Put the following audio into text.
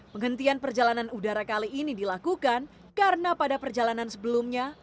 penghentian perjalanan udara kali ini dilakukan karena pada perjalanan sebelumnya